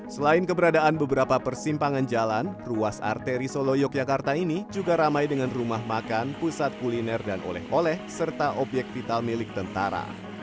selain keberadaan beberapa persimpangan jalan ruas arteri solo yogyakarta ini juga ramai dengan rumah makan pusat kuliner dan oleh oleh serta obyek vital milik tentara